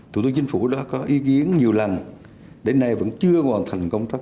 thủ tướng chính phủ đã có ý kiến nhiều lần đến nay vẫn chưa hoàn thành công tác